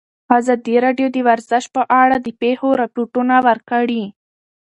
ازادي راډیو د ورزش په اړه د پېښو رپوټونه ورکړي.